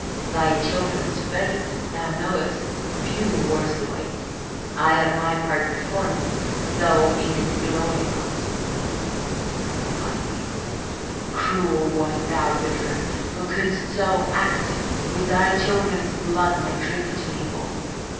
Thy children's fate thou knowest, few a worse awaits. I have my part performed, though in it glory not. Atli. 82. Cruel wast thou, Gudrun! who couldst so act, with thy children's blood my drink to mingle.